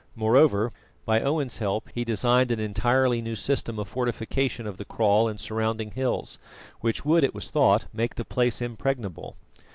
Moreover, by Owen's help, he designed an entirely new system of fortification of the kraal and surrounding hills, which would, it was thought, make the place impregnable.